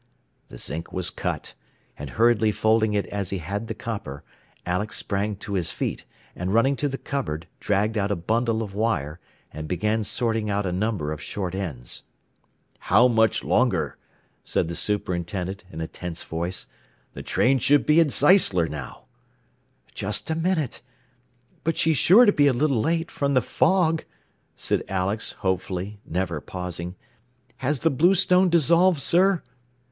The zinc was cut, and hurriedly folding it as he had the copper, Alex sprang to his feet, and running to the cupboard, dragged out a bundle of wire, and began sorting out a number of short ends. "How much longer?" said the superintendent in a tense voice. "The train should be at Zeisler now." "Just a minute. But she's sure to be a little late, from the fog," said Alex, hopefully, never pausing. "Has the bluestone dissolved, sir?"